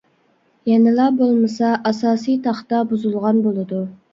يەنىلا بولمىسا ئاساسىي تاختا بۇزۇلغان بولىدۇ.